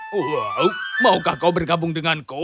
wow maukah kau bergabung denganku